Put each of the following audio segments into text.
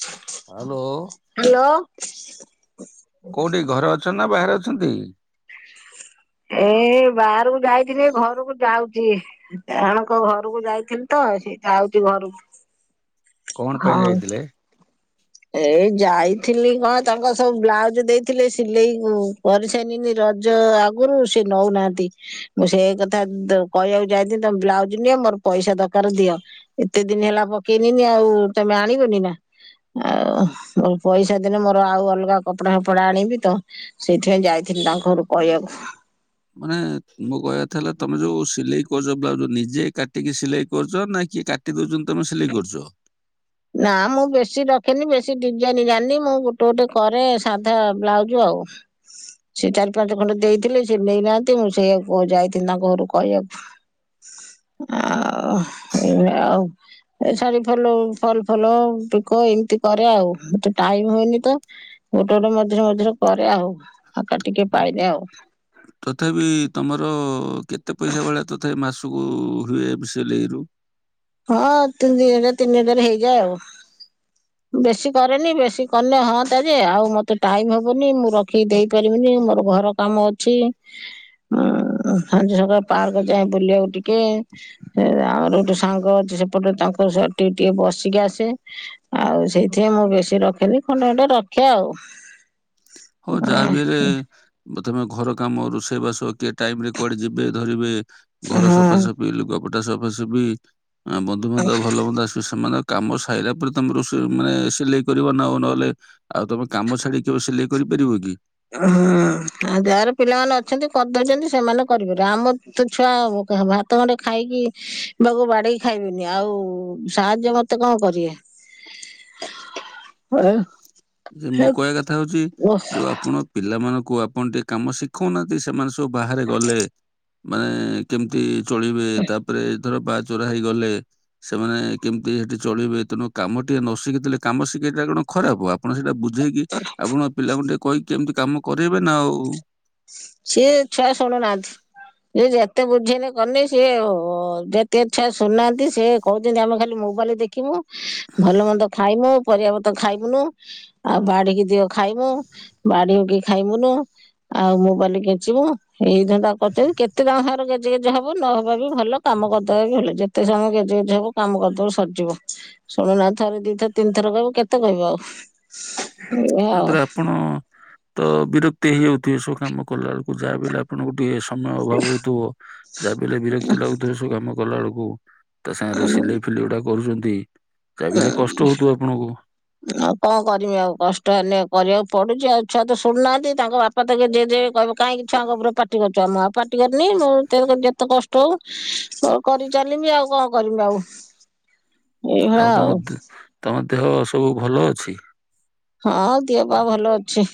[inaudible] Hello. Hello. କୋଉଟି ଘରେ ଅଛନ୍ତି ନା ବାହାରେ ଅଛନ୍ତି? [inaudible] ଏଇ ବାହାରକୁ ଯାଇଥିଲ ଘରକୁ ଯାଉଛି। ଡାଣଙ୍କ ଘରକୁ ଯାଇଥିଲି ତ ସ ଯାଉଛି ଘରକୁ କଣ ପାଇଁ ଯାଇଥିଲେ। ଏ ଯାଇଥିଲି କଣ ତାଙ୍କ ସବୁ ବ୍ଲାଉଜ ଦେଇଥିଲେ ସିଲେଇ କୁ କରିସାରିନି ରଜ ଆଉ ଗୁରୁ ସେ ନଉନାହାନ୍ତି। ମୁଁ ସେଇ କଥା ଦ କହିବାକୁ ଯାଇଥିନି ତମ ବ୍ଲାଉଜ ନିଅ ମୋର ପଇସା ଦରକାର ଦିଅ। ଏତେ ଦିନ ହେଲା ପକେଇନିନି ଆଉ ତମେ ଆଣିବନି ନା। ଆଉ ମୋ ପଇସା ଦେନେ ମୋର ଆଉ ଅଲଗା କପଡା ଫପଡା ଆଣିବି ତ। ସେଇଥିପାଇଁ ଯାଇଥିଲି ତାଙ୍କ ଘରୁ କହିବାକୁ। ମାନେ ମୋ କହିବା କଥା ହେଲା ତମେ ଯୋଉ ସିଲେଇ କରୁଛ ବ୍ଲାଉଜ ନିଜେ କାଟିକି ସିଲେଇ କରୁଛ ନା କିଏ କା ଟି ଦଉଛନ୍ତି ତମେ ସିଲେଇ କରୁଛ। ନା ମୁଁ ବେଶୀ ରଖେନି ବେଶୀ ଡିଜାଇନ ଜାଣିନି ମୁଁ ଗୋଟେ ଗୋଟେ କରେ ସାଧା ବ୍ଲାଉଜ ଆଉ। ସେ ଚାରି ପାଞ୍ଚ ଖଣ୍ଡେ ଦେଇଥିଲେ ସେ ନେଇନାହାନ୍ତି ମୁଁ ସେଇଆ ଗ ଯାଇଥିଲି ତାଙ୍କ ଘରକୁ କହିବା ହ ଆଉ ଏଇଆ ଆଉ ଏ ଶାଢ଼ୀ ଫଲ। ଫଲ ଫଲ ପିକ ଏମିତି କରେ ଆଉ ମତେ ଟାଇମ ହୁଏନି ତ। ଗୋଟେ ଗୋଟେ ମଝିରେ ମଝିରେ କରେ ଆଉ ଫାଙ୍କା ଟିକେ ପାଇନେ ଆଉ। ତଥାପି ତମର କେତେ ପଇସା ଭଳିଆ ତଥାପି ମାସ କୁ ହୁଏ ବ ସିଲେଇ ରୁ। ହଁ ତିନି ତିନି ହଜାର ହେଇଯାଏ ଆଉ। ହ ବେଶୀ କରେନି ବେଶୀ କନେ ହଁ ତା ଯେ ଆଉ ମତେ ଟାଇମ ହବନି ମୁଁ ରଖିକି ଦେଇ ପାରିବିନି ମୋର ଘର। କାମ ଅଛି ଉଁ ସଞ୍ଜ ସକାଳ ପାର୍କ ଯାଏ ବୁଲିବାକୁ ଟିକେ। ସେ ଆମର ଗୋଟେ ସାଙ୍ଗ ଅଛି ସେପଟ ତାଙ୍କ ସେଠି ଟିକେ ବସିକି ଆସେ। ଆଉ ସେଇଥିପାଇଁ ମୁଁ ବେଶୀ ରଖେନି ଖଣ୍ଡେ ଖଣ୍ଡେ ରଖେ ଆଉ। ହଁ ଯାହା ବି ହେଲେ ବ ତମେ ଘର କାମ ରୋଷେଇବାସ କିଏ ଟାଇମ ରେ। କୁଆଡେ ଯିବେ ଧରିବେ ଘର ହଁ ସଫାସଫି ଲୁଗାପଟା ସଫାସଫି। ଆଁ ବନ୍ଧୁବାନ୍ଧବ ଭଲ ମନ୍ଦ ଆସ ସେମାନଙ୍କ କାମ ସାଇଲା ପରେ ତମେ ରୋଷେଇ ମାନେ ସିଲେଇ କରିବ ନା ଆଉ ନହେଲେ। ଆଉ ତମେ କାମ ଛାଡିକି କେବେ ସିଲେଇ କରିପାରିବ କି? ଆ ହାଁ। ହାଁ ଯାହାର ପିଲାମାନେ ଅଛନ୍ତି କରିଦଉଛନ୍ତି ସେମାନେ କରିପାରିବେ ଆମ ତ ଛୁଆ ଭାତ ଗଣ୍ଡେ ଖାଇକି। ବାକୁ ବାଢିକି ଖାଇବେନି ଆଉ ସାହାଯ୍ୟ ମତେ କଣ କରିବେ? ହୁଁ ଆଉ। ଯେ ମୋ କହିବା କଥା ହଉଛି ଯୋଉ ଆପଣ ପିଲାମାନଙ୍କୁ ଆପଣ ଟିକେ କାମ ଶି ଖଉନାହାନ୍ତି ସେମାନେ ସବୁ ବାହାରେ ଗଲେ ମାନେ। କେମିତି ଚଳିବେ ତାପରେ ଧର ବାହା ଚୋରା ହେଇ ଗଲେ। ସେମାନେ କେମିତି ସେଠି ଚଳିବେ ତେଣୁ କାମ ଟିକେ ନ ଶିଖିଥିଲେ କାମ ଶିଖିବାଟା କଣ ଖରାପ ଆ ଆପଣ ସେଇଟା ବୁଝେଇକି ଆପଣ ପିଲାଙ୍କୁ ଟିକେ କହିକି କେମିତି କାମ କରେଇବେ ନା ଆଉ। ସିଏ ଛୁଆ ଶୁଣୁ ନାହାନ୍ତି। ସିଏ ଯେତେ ବୁଝେଇନେ କନେ ସିଏ ଅ ଅଜାତିଆ ଛୁଆ ଶୁଣୁ ନାହାନ୍ତି ସେ। କହୁଛନ୍ତି ଆମେ ଖାଲି ମୋବାଇଲ ଦେଖିମୁ ଭଲ ମନ୍ଦ ଖାଇମୁ ପରିବାପତ ଖାଇବୁନୁ। ଆଉ ବାଢିକି ଦିଅ ଖାଇମୁ ବାଢିକି ଖାଇମୁନୁ। ଆଉ ମୋବାଇଲ କେଞ୍ଚିମୁ ଏଇ ଧନ୍ଦା କରୁଛନ୍ତି କେତେ ତାଙ୍କ ସାଙ୍ଗରେ ଗେଜେ ଗେଜେ ହବୁ ନ ହବା ବି ଭଲ। କାମ କରିଦବା ଭଲ ଯେତେ ସମୟ ଗେଜେ ଗେଜେ ହବୁ କାମ କରିଦବୁ ସରିଯିବ। ଶୁଣୁନାହାନ୍ତି ଥରେ ଦି ଥର ତିନି ଥର କହିବୁ କେତେ କହିବୁ ଆଉ? ଏଇଆ ୟା ଆଉ ଦ୍ୱାରା ଆପଣ ତ ବିରକ୍ତି ହେଇଯାଉଥିବେ ଏ ସବୁ କାମ କଲା ବେଳକୁ ଯାହା ବି ହେଲେ ଆ ଆପଣଙ୍କୁ ଟିକେ ସମୟ ଅଭାବ ହଉଥିବ ଯାହା ବି ହେଲେ ବିରକ୍ତି ଲାଗୁଥିବ ଏ ସବୁ କାମ କଲା ବେଳକୁ। ତା ସାଙ୍ଗରେ ସିଲେଇ ଫିଲେଇ ଗୁଡା କରୁଛନ୍ତି ଯାହା ବି ହେଲେ କଷ୍ଟ ହଉଥିବ ଆପଣଙ୍କୁ। ଆଉ କଣ କରମି ଆଉ କଷ୍ଟ ହେଲେ କରିବାକୁ ପଡୁଛି ଆଉ ଛୁଆ ତ ଶୁଣୁନାହାନ୍ତି ତାଙ୍କ ବାପା ପେ କାଁକି ଛୁଆ କବର ପାଟି କରିଛୁ ଆ ମୁଁ ଆଉ ପାଟି କରିନି ମୁଁ ଯେତେ କଷ୍ଟ ହଉ ସବୁ କରି ଚାଲିମି ଆଉ କଣ କରିମି ଆଉ। ଆଉ ତମ ଦି ତମ ଦେହ ସବୁ ଭଲ ଅଛି? ହଁ ଆଉ ଦିଅପା ଭଲ ଅଛି।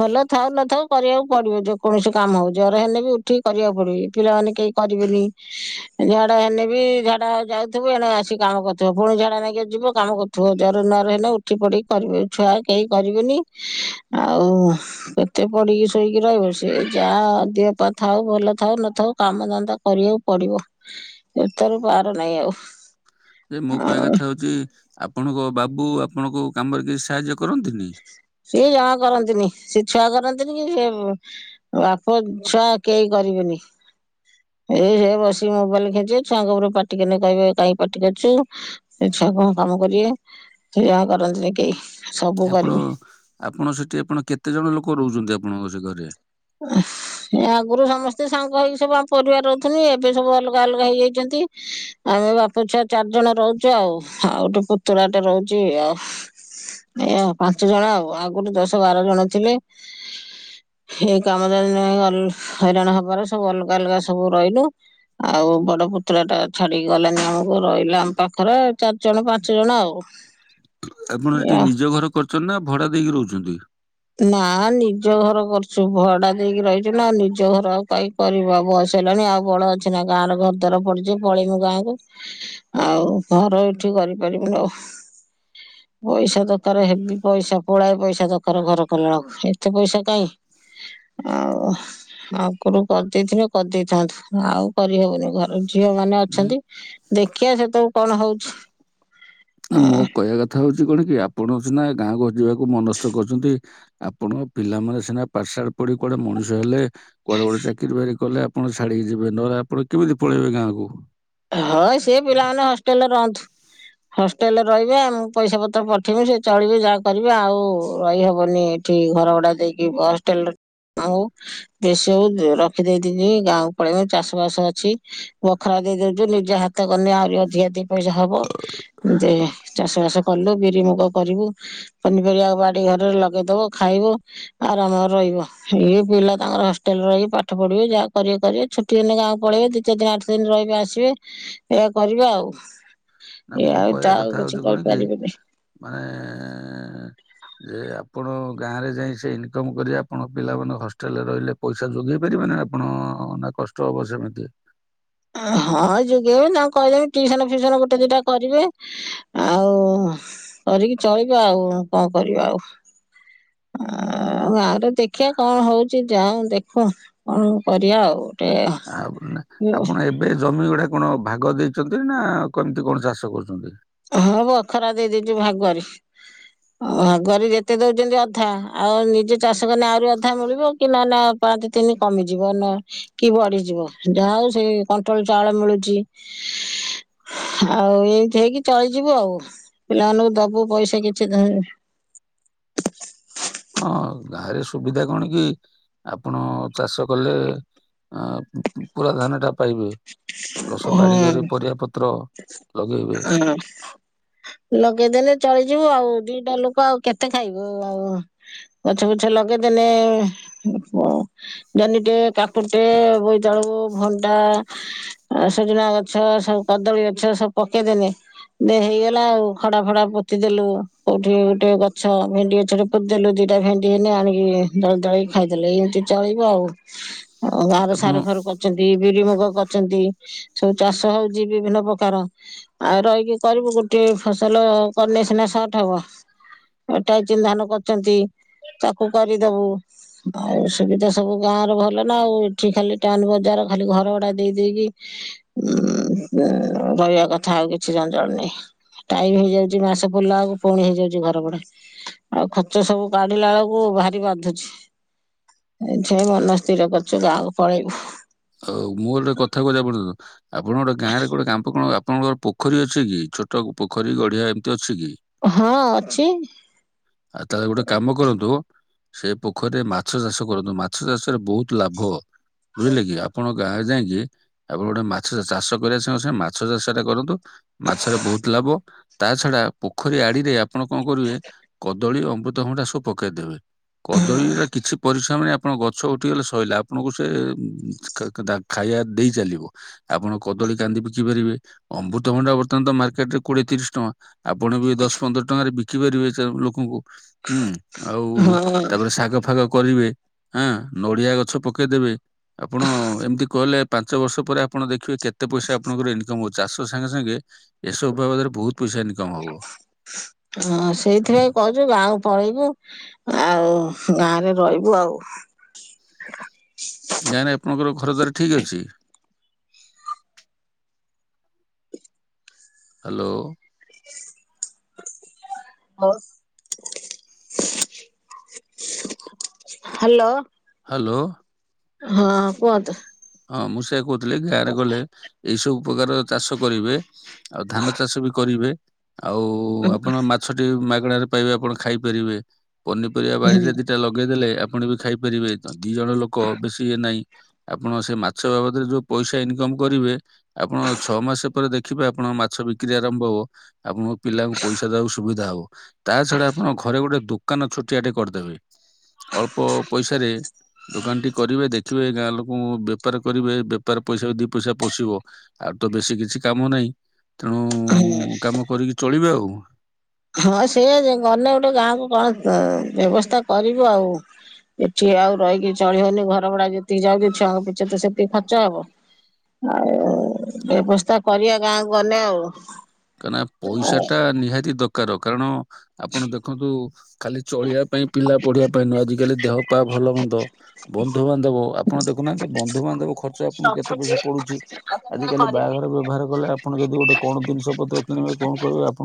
ଭଲ ଥାଉ ନଥାଉ କରିବାକୁ ପଡିବ ଯେକୌଣସି କାମ ହଉ ଜର ହେଲେ ବି ଉଠିକି କରିବାକୁ ପଡିବ ଏ ପିଲାମାନେ କେହି କରିବେନି। ଝାଡା ହେନେବି ଝାଡା ଯାଉଥିବୁ ଏଣେ ଆସି କାମ କରୁଥିବ ପୁଣି ଝାଡା ନେଇକି ଯିବ କାମ କରୁଥିବ। ପୁଅ ଜର ନରହିଲେ ଉଠି ପଡିକି କରିବେ ଛୁଆ କେହି କରିବେନି ଆଉ କେତେ ପଢିକି ଶୋଇକି ରହିବ ସି ଯାହା ଅଧଅପ ଥାଉ ଭଲ ଥାଉ ନଥାଉ କାମ ଦନ୍ଦା କରିବାକୁ ପଡିବ ଏ ତରୁ ବାରୁ ନାହିଁ ଆଉ। ଯେ ମୋ କହିବା ଆଉ କଥା ହଉଛି ଆପଣଙ୍କ ବାବୁ ଆପଣଙ୍କୁ କାମରେ କିଛି ସାହାଯ୍ୟ କରନ୍ତିନି। ସିଏ ଜମା କରନ୍ତିନି ସେ ଛୁଆ କରନ୍ତିନି କି ସେ ବାପ ଛୁଆ କେହି କରିବେନି। ଏଇ ସେ ବସିକି ମୋବାଇଲ କେଞ୍ଚିବେ ଛୁଆଙ୍କ ଉପରୁ ପାଟିିକଲେ କହିବେ କାଇହିଁ ପାଟିିକରୁଚୁ। ସେ ଛୁଆ କଣ କାମ କରିବେ ସେ ଯାହା କରନ୍ତିନି କେହି। ସବୁ କରିବେ ଆପଣ ଆପଣ ସେଠି ଆପଣ କେତେ ଜଣ ଲୋକ ରହୁଛନ୍ତି ଆପଣଙ୍କ ସେ ଘରେ। [inaudible] ଆଗରୁ ସମସ୍ତେ ସାଙ୍ଗ ହେଇକି ସବୁ ଆମ ପରିବାର ଅହୁଥୁନୁ ଏବେ ସବୁ ଅଲଗା ଅଲଗା ହେଇଯାଇଚନ୍ତି। ଆମେ ବାପ ଛୁଆ ଚାରି ଜଣ ରହୁଚୁ ଆଉ। ଆଉ ଗୋଟେ ପୁତୁୁର ଟେ ରହୁଚୁ ଆଉ! ଏଇଆ ଆଉ ପାଞ୍ଚ ଜଣ ଆଉ ଆଗରୁ ଦଶ ବାର ଜଣ ଥିଲେ। ଏଇ କାମ ହଇରାଣ ହବାର ସବୁ ଅଲଗା ଅଲଗା ସବୁ ରହିଲୁ ଆଉ ବଡ ପୁତୁରାଟା ଛାଡିକି ଗଲାନି ଆମକୁ ରହିଲା ଆମ ପାଖରେ ଚାରିଜଣ ପାଞ୍ଚ ଜଣ ଆଉ ଆପଣ ସେଠି ଏଇଆ ନିଜ ଘର କରଛନ୍ତି ନା ଭଡା ଦେଇକି ରହୁଛନ୍ତି? ନା-ଆ-ଆ ନିଜ ଘର କରିଛୁ, ଭଡା ଦେଇକି ରହିଛୁ ନା ଆଉ ନିଜ ଘର ଆଉ କାଇଁ। କରିବା ବୟସ ହେଲାଣି ଆଉ ବଳ ଅଛି ନା ଗାଁ ରେ ଘରଦ୍ବାର ପଡିଛି ପଳେଇମୁ ଗାଁକୁ। ଆଉ ଘର ଏଠି କରିପାରିବୁ ଲୋ। ପଇସା ତାର ହେଭି ପଇସା, ପୁଳାଏ ପଇସା ଦ ର ଘର କଲାଳକୁ ଏତେ ପଇସା କାହିଁ। ଆଉ ଆଗରୁୁ କରିଦେଇଥିବେ କରିଦେଇଥାନ୍ତୁ ଆଉ କରିହବନି ଘରେ। ଝିଅ ମାନେ ନାଇଁ ଅଛନ୍ତି ଦେଖିବା ସେତବେଳକୁ କଣ ହଉଛି। ମୋ ଆଁ, କହିବା କଥା ହଉଛି କଣ କି ଆପଣ ସିନା ଗାଁକୁ ଯିବାକୁ ମନସ୍ କରୁଛନ୍ତି। ଆପଣଙ୍କ ପିଲାମାନେ ସିନା ପାଠଶାଠ ପଢି କୁଆଡେ ମଣିଷ ହେଲେ। କୁଆଡେ ଗୋଟେ ଚାକିରି ବାକିରି କଲେ ଆପଣ ଛାଡିକି ଯିବେ ନହଲେ ଆପଣ କେମିତି ପଳେଇବେ ଗାଁକୁ। ହଁ ସେ ପିଲାମାନେ ହଷ୍ଟେଲରେ ରହନ୍ତୁ। ହଷ୍ଟେଲ୍ ରେ ରହିବେ ଆ, ମୁଁ ପଇସା ପତ୍ର ପଠେଇମି ସେ ଚଳିବେ ଯାହା କରିବେ ଆଉ ରହି ହବନି ଠି ଘର ଭଡା ଦେଇକି ହଷ୍ଟେଲ୍ ରେ ଆଉ ବେଶଉ ରଖି ଦେଇଥିଲି ଗାଁକୁ ପଳେଇ ଚାଷ ବାସ ଅଛି ବଖରା ଦେଇଦଉ ନିଜ ହାତ କଲେ ଆହୁରି ଅଧିକା ଦି ପଇସା ହବ ଏମିତି ଚାଷ ବାସ କଲୁ ବିରି ମୁୁଗ କରିବୁ ପନିପରିବା ବାଡି ଘରରେ ଲଗେଇଦବ ଖାଇବୁ। ଆରାମରେ ରହିବୁ ଇଏ ପିଲା ତାଙ୍କର ହଷ୍ଟେଲରେ ରହିକି ପାଠ ପଢିବେ ଯାହା କରିବେ କରିବେ ଚୁ ଦ ଦିନ ଗାଁକୁ ପଳେଇବେ ଦିଇ ଚାରି ଦିନ ଆଠ ଦିନ ରହିବେ ଆସିବେ ଏଇ କରିବେ ଆଉ। ନା ଇଏ ମୋ ଆଉ କହିବା ତ କଥା ଆଉ ହଉଛି କିଛି କଣ କି କହିପାରିବିନି! ମାନେ ଯେ ଆପଣ ଗାଁରେ ଯାଇ ସେ ଇନକମ୍ କରି ଆପଣ ପିଲାମାନେ ହଷ୍ଟେଲରେ ରହିଲେ ପଇସା ଯୋଗେଇ ପାରିବେନି ଆପଣ? ନା କଷ୍ଟ ହବ ସେମିତି! ହଁ ଯଗେଇବ ତାଙ୍କୁ କହିଦେବି ଟଟିସନ ଫିୁସନ ଗୋଟେ ଦିଟା କରିବେ। ଆଉ କରିକି ଚଳିବା ଆଉ। କଣ କରିବା ଆଉ? ଅଁ, ଆଉ ଗାଁରେ ଦେଖିଆ କଣ ହଉଛି ଯାଅ ଦେଖ କଣ କରିଆ ଆଉ। ଆ ଭୁନା ଆପଣ ଏ ଏବେ ଜମି ଗୁଡା କଣ ଭାଗ ଦେଇଛନ୍ତି ନା କମିତି କଣ ଚାଷ କରୁଛନ୍ତି? ହଁ ବଖରା ଦେଇ ଦେଇଚୁ ଭାଗରେ। ଅଁ ଭାଗରେ ଯେତେ ଦଉଛନ୍ତି ଅଧା ଆଉ ନିଜେ ଚାଷ କନେ ଆହୁରି ଅଧା ମିଳିବ କି ନନେ ଆ ପାଞ୍ଚ ତିନି କମିଯିବ ନା କି ବଢିଯିବ ଯାହା ହଉ ସେଇ କଣ୍ଟ୍ରୋଲ ଚାଉଳ ମିଳୁଛି। [inaudible] ଆଉ ଏଇଠି ହେଇକି ଚଳିଯିବୁ ଆଉ ପିଲାମାନଙ୍କୁ ଦବୁ ପଇସା କିଛି ହଁ ଗାଁରେ ସୁବିଧା କଣ କି ଆପଣ ଚାଷ କଲେ ପୁରା ଧାନ ଟା ପାଇବେ ରସ ପାଣି ଘରେ ହୁଁ ପରିବା ପତ୍ର ଲଗେଇବେ ହୁଁ ଲଗେଇଦେଲେ ଚଳିଯିବୁ ଆଉ ଦିଟା ଲୋକ ଆଉ କେତେ ଖାଇବ ଆଉ ଗଛ ପୁଛ ଲଗେଇଦେଲେେ ଜହନିଟେ କାକୁଟେ ବୋଇତାଳୁ ଭଣ୍ଡା ସୁଜୁନା ଗଛ ସବୁ କଦଳୀ ଗଛ ସବୁ ପକେଇଦେନି ଦେ ହେଇଗଲା ଆଉ ଖଡା ଫଡା ପୋତି ଦେଲୁ କୋଉଠି ଗୋଟେ ଗଛ ଭେଣ୍ଡି ଗଛ ଖୋଦ ଦେଲୁ ଦିଇଟା ଭେଣ୍ଡି ହେନଲେ ଆଣିକି ଦଳ ଦଳିକି ଖାଇଦେଲେ ଏମିତି ଚଳିବ ଆଉ [inaudible] ଆ ବାାହାର ଆପଣ ସାରୁ ଫାରୁ କରିଛନ୍ତି ବିରିମଗ କରଛନ୍ତି ସବୁ ଚାଷ ହଉଛି ବିଭିନ୍ନ ପ୍ରକାର ଆଉ ରହିକି କରିବୁ ଗୋଟେ ଫସଲ କ ସିନା ସଟ ହବ ଏଟା ଚିହ୍ଧନ କରଛନ୍ତି ତାକୁ କରିଦବୁ ଆଉ ସୁବିଧା ସବୁ ଗାଁ ର ଭଲ ନା ଆଉ ଏଠି ଖାଲି ଟାଉନ୍ ବଜାର ଖାଲି ଘର ଗୁଡା ଦେଇ ଦେଇେଇକି ଉ ରହିବା କଥା ଆଉ କିଛି ଜଞ ଜଣନହି ଟାଇମ ହେଇଯାଉଛି ମାସ ପଲିଲା ଆକୁ ପୁଣି ହେଇଯାଉଛି ଘର କଡେ ଆଉ ଖର୍ଚ ସବୁ କାଢିଲା ବେଳକୁ ଭାରି ବାନ୍ଧୁଛି ଏଇଠଁ ମନ ସ୍ଥିର କରିୁଛୁ ଗାହାକୁ ପଳେଇବୁ ଆଉ ମୋ ଗୋଟେ କଥା କହିବା ପର୍ଯ୍ୟନ୍ତ ଆପଣ ଗୋଟେ ଗାଁ ରେ ଗୋଟେ କାାମ କଣ ଆପଣଙ୍କର ପୋଖରୀ ଅଛି କି ଛୋଟ ପୋଖରୀ ଗଡିିଆ ଏମିତି ଅଛି କି ହଁ ଅଛି ଆଉ ତାାରଲେ ଗୋଟେ କାମ କରନ୍ତୁ ସେ ପୋଖରୀରେ ମାଛ ଚାଷ କରନ୍ତୁ ମାଛ ଚାଷରେ ବହୁତ ଲାଭ ବୁଝିଲେ କି ଆପଣଙ୍କ ଗାଁରେ ଯାଇକି ଆପଣ ଗୋଟେ ମାଛ ଚାଷ କରିବା ସଙ୍ଗ ସେ ମାଛ ଚାଷ ଟା କରନ୍ତୁ ମାଛରେ ବହୁତ ଲାଭ ତା ଛଡା ପୋଖରୀ ଆଡିରେ ଆପଣ କଣ କରିବେ କଦଳୀ ଅମୃତଭଣ୍ଡା ସବୁ ପକେଇଦେବେ କଦଳୀର କିଛି ପରିଶ୍ରମ ନାହିଁ ଆପଣଙ୍କ ଗଛ ଉଠିଗଲେ ସରଲା ଆପଣଙ୍କୁ ସେ ଖାଇବା ଦେଇ ଚାଲିବ ଆପଣ କଦଳୀ କାନ୍ଦି ବିକି ପାରିବେ ଅମୃତଭଣ୍ଡା ବର୍ତ୍ତମାନ ତ ମାର୍କେଟ ରେ କୋଡିଏ ତିରିଶ ଟଙ୍କା ଆପଣ ବି ଦଶ ପନ୍ଦର ଟଙ୍କାରେ ବିକି ପାରିବେ ଲୋକଙ୍କୁ ହୁଁ ଆଉ ହଁ ତାପରେ ଶାଗ ଫାଗ କରିବେ ହଁ ନଡ଼ିଆ ଗଛ ପକେଇଦେବେ ଆପଣ ଏମିତି କହିଲେ ପାଞ୍ଚ ବର୍ଷ ପରେ ଆପଣ ଦେଖିବେ କେତେ ପଇସା ଆପଣଙ୍କର ଏଣ ତ ଚାଷ ସାଙ୍ଗେ ସାଙ୍ଗେ ଏସବୁ ବାବଦରେ ବହୁତ ପଇସାି କମା ହଁ ସେଇଥିପାଇଁ କ ଗାଁକୁ ପଳେଇବୁ ଆଉ ଗାଁରେ ରହିବୁ ଆଉ ଗାାଇଁ ନାଁ ଆପଣଙ୍କର ଘର ଦ୍ୱାର ଠିକ୍ ଅଛି ହ୍ୟାଲୋ ହଁ ହ୍ୟାଲୋ ହ୍ୟାଲୋ ହଁ କୁହନ୍ତ ହଁ ମୁଁ ସେଆ କହୁଥିଲି ଗାଁରେ ଗଲେ ଏଇ ସବୁ ପ୍ରକାର ଚାଷ କରିବେ ଆଉ ଧାନ ଚାଷ ବି କରିବେ ଆଉ ଆପଣ ଗଛଟି ମାଗଣାରେ ପାଇବେ ଆପଣ ଖାଇପାରିବେ ପନିପରିବା ବାଣିରେ ଦି ଏଟା ଲଗେଇଦେଲେ ଆପଣ ବି ଖାଇପାରିବେ ଦି ଜଣ ଲୋକ ବେଶୀ ଇଏ ନାହିଁ ଆପଣ ସେ ମାଛ ବାବଦରେ ଯୋଉ ପଇସା ଇନକମ କରିବେ ଆପଣ ଛଅ ମାସ ପରେ ଦେଖିବେ ଆପଣ ମାଛ ବିକ୍ରି ଆରମ୍ଭ ହବ ଆପଣ ପିଲାଙ୍କୁ ପଇସା ଦବାକୁ ସୁବିଧା ହବ ତା ଛଡା ଆପଣଙ୍କ ଘରେ ଗୋଟେ ଦୁଖ ଦୋକାନ ଛୋଟିଆଟେ କରିଦେବେ ଅଳ୍ପ ପଇସାରେ ଦୋକାନ ଟି କରିବେ ଦେଖ ଗାଁ ଲୋକଙ୍କୁ ବେପାର କରିବେ ବେପାର ପଇସା ବି ପଇସା ପଶିବ ଆଉ ତ ବେଶୀ କିଛି କାମ ନାହିଁ ତେଣୁ କାମ କରିକି ଚଳିବେ ଆଉ ହଁ ସେ ଗଲେ ଗୋଟେ ଗାଁକୁ କଣ ବ୍ୟବସ୍ଥା କରିବୁ ଆଉ ଏଠି ଆଉ ରହିକି ଚଳ ହଉନି ଘର ଭଡା ଯେତିକି ଯାଉ ଛୁଆଙ୍କ ପିଛେ ତ ସେତିକି ଖର୍ଚ ହବ ଆଉ ବ୍ୟବସ୍ଥା କରିବା ଗାଁକୁ ଗଲେେ ଆଉ କାହିଁକ ନାନା ପଇସା ଟା ନିହାତି ଦରକାର କାରଣ ଆପଣ ଦେଖନ୍ତୁ ଖାଲି ଚଳିବା ପାଇଁ ପିଲା ପଢିବା ପାଇଁ ନୁହଁ ଆଜଜିିକାଲି ଦେହ ପା ଭଲ ହନ୍ଦ ବନ୍ଧୁବାନ୍ଧବ ଆପଣ ଦେଖୁନାହାନ୍ତି ବନ୍ଧୁବାନ୍ଧବ ଖର୍ଚ୍ଚ ଆପଣଙ୍କୁ କେତେ ପଇସା ପଡୁଛି ଆଜ କାଲି ବାହାଘର ବ୍ୟବହାର କଲେ ଆପଣ ଯଦି ଗୋଟେ କଣ ଜିନିଷ ପତ୍ର କିଣିବେ କଣ କରିବେ ଆପଣ